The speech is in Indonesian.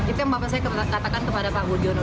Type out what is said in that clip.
itu yang bapak saya katakan kepada pak budiono